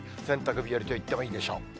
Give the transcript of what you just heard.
洗濯日和といってもいいでしょう。